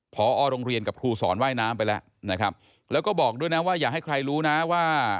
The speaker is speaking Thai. พอโรงเรียนกับครูสอนว่ายน้ำไปแล้วนะครับแล้วก็บอกด้วยนะว่าอย่าให้ใครรู้นะว่า